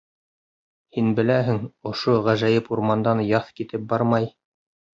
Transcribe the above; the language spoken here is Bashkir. Һин беләһең, ошо ғәжәйеп урмандан яҙ китеп бармай.